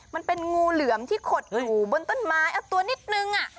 มันเป็นงูเหลือมที่ขดอยู่บนต้นไม้เอาตัวนิดนึง